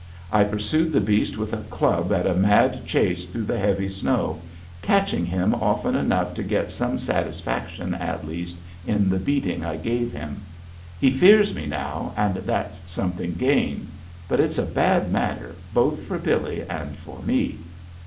I pursued the beast with a club in a mad chase through the heavy snow, catching him often enough to get some satisfaction at least in the beating I gave him. He fears me now and that's something gained. But it's a bad matter both for Billy and for me.